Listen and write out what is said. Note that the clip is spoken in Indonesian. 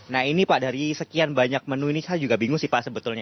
nah ini pak dari sekian banyak menu ini saya juga bingung sih pak sebetulnya